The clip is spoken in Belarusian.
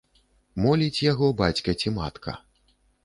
Моліць яго бацька ці матка.